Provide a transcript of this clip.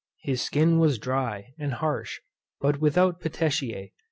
His skin was dry, and harsh, but without petechiæ.